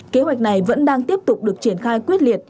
kế hoạch này vẫn đang tiếp tục được triển khai quyết liệt